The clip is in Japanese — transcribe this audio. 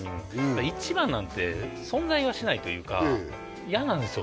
一番なんて存在はしないというか嫌なんですよ